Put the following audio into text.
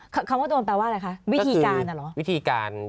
คำว่าโดนแปลว่าอะไรคะวิธีการอ่ะหรอ